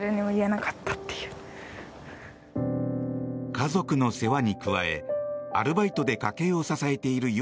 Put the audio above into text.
家族の世話に加えアルバイトで家計を支えているゆ